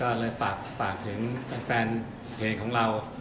ก็เลยฝากถึงแฟนเพลงของเรา